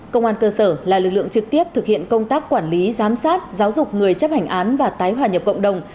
công an cơ sở là lực lượng trực tiếp thực hiện công tác quản lý giám sát giáo dục người chấp hành án và tái hòa nhập cộng đồng